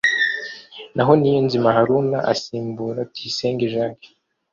naho Niyonzima Haruna asimbura Tuyisenge Jacques